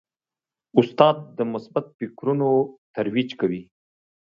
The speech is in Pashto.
استاد د مثبت فکرونو ترویج کوي.